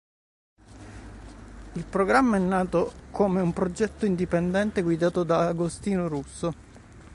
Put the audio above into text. Il programma è nato come un progetto indipendente guidato da Agostino Russo.